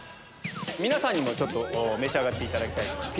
皆さんにも召し上がっていただきます。